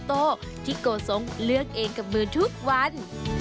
โตที่โกสงเลือกเองกับมือทุกวัน